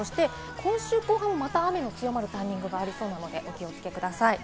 今週後半は雨の強まるタイミングがありそうなので、お気をつけください。